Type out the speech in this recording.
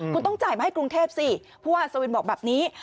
คุณต้องจ่ายมาให้กรุงเทพสิผู้อัศวินบอกแบบนี้